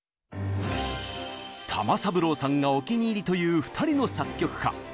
玉三郎さんがお気に入りという２人の作曲家。